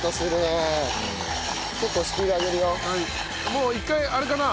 もう１回あれかな？